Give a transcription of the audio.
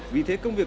xe bố vợ này á